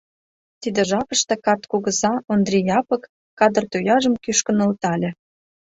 Тиде жапыште карт кугыза Ондри Япык кадыр тояжым кӱшкӧ нӧлтале.